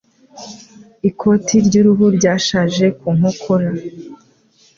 Ikoti ry'uruhu ryashaje ku nkokora.